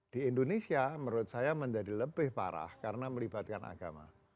di indonesia menurut saya menjadi lebih parah karena melibatkan agama